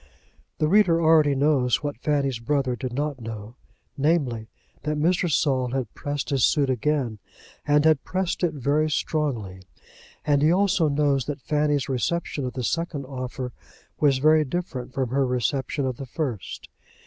The reader already knows what Fanny's brother did not know, namely, that Mr. Saul had pressed his suit again, and had pressed it very strongly; and he also knows that Fanny's reception of the second offer was very different from her reception of the first.